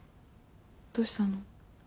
どうしたの？